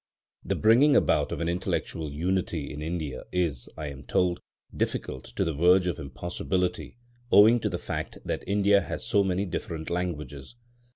The bringing about of an intellectual unity in India is, I am told, difficult to the verge of impossibility owing to the fact that India has so many different languages.